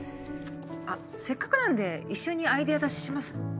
あっせっかくなんで一緒にアイデア出しします？